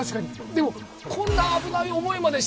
でもこんな危ない思いまでして